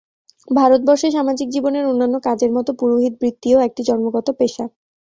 ভারতবর্ষে সমাজিক জীবনের অন্যান্য কাজের মত পুরোহিত-বৃত্তিও একটি জন্মগত পেশা।